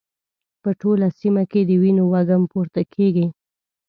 په ټوله سيمه کې د وینو وږم پورته کېږي.